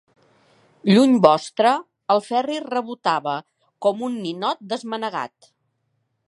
Lluny vostre, el Ferri rebotava com un ninot desmanegat.